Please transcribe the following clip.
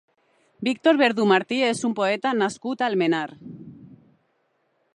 Víctor Verdú Martí és un poeta nascut a Almenar.